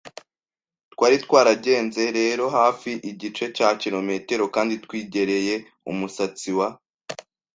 Twari twaragenze rero hafi igice cya kilometero kandi twegereye umusatsi wa